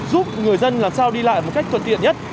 giúp người dân làm sao đi lại một cách thuận tiện nhất